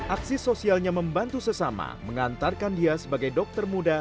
aksi sosialnya membantu sesama mengantarkan dia sebagai dokter muda